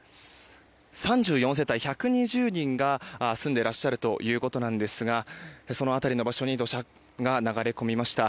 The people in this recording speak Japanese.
３４世帯１２０人が住んでいらっしゃるということですがその辺りの場所に土砂が流れ込みました。